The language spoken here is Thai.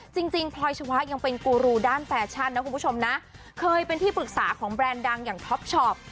จริงจริงพลอยชวะยังเป็นกูรูด้านแฟชั่นนะคุณผู้ชมนะเคยเป็นที่ปรึกษาของแบรนด์ดังอย่างท็อปชอป